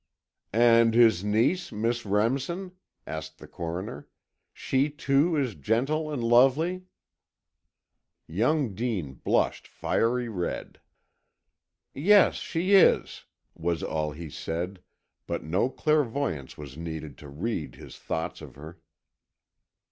"And his niece, Miss Remsen?" asked the Coroner. "She, too, is gentle and lovely?" Young Dean blushed fiery red. "Yes, she is," was all he said, but no clairvoyance was needed to read his thoughts of her.